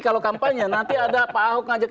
kalau kampanye nanti ada pak ahok ngajak